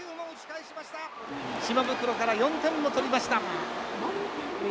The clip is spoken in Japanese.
島袋から４点も取りました。